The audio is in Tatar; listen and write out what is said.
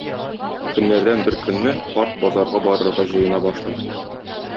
Көннәрдән бер көнне карт базарга барырга җыена башлый.